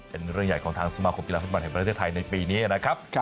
เป็นเรื่องใหญ่ของทางสมาคมกีฬาฟุตบอลแห่งประเทศไทยในปีนี้นะครับ